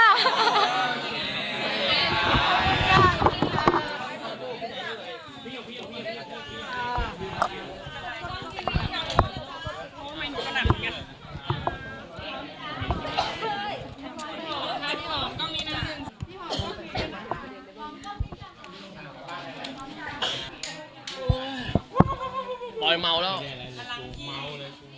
คนดูขนาดนี้ยังไม่พอดูไม่มุกขนาดนี้กัน